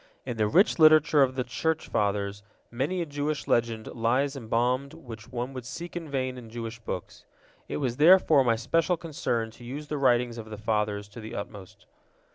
In the rich literature of the Church Fathers many a Jewish legend lies embalmed which one would seek in vain in Jewish books. It was therefore my special concern to use the writings of the Fathers to the utmost.